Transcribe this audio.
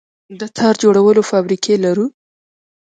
د تار جوړولو فابریکې لرو؟